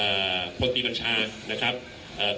คุณผู้ชมไปฟังผู้ว่ารัฐกาลจังหวัดเชียงรายแถลงตอนนี้ค่ะ